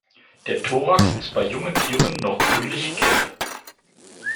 Der Thorax ist bei jungen Tieren noch grünlich gelb.